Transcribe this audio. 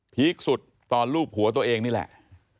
ีคสุดตอนลูบหัวตัวเองนี่แหละ